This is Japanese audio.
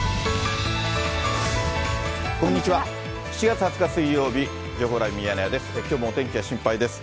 ７月２０日水曜日、情報ライブミヤネ屋です。